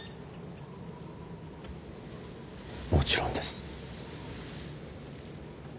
もちろんです。